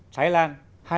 thái lan hai bảy